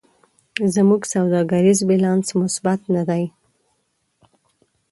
زموږ سوداګریز بیلانس مثبت نه دی.